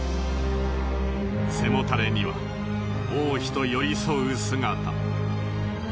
背もたれには王妃と寄り添う姿。